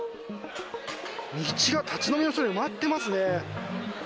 道が立ち飲みの人で埋まってますね。